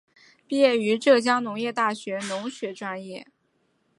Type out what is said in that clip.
毕业于浙江农业大学农学专业。